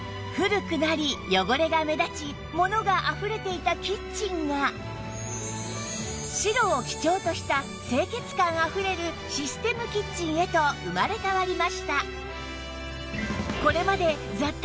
古くなり汚れが目立ち物があふれていたキッチンが白を基調とした清潔感あふれるシステムキッチンへと生まれ変わりました